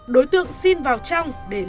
đối tượng xin vào trong để bảo vệ